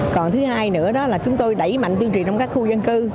còn thứ hai nữa đó là chúng tôi đẩy mạnh tuyên truyền trong các khu dân cư